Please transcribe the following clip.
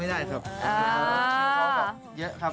เพราะว่าใจแอบในเจ้า